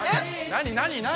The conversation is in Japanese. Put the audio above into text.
何何何？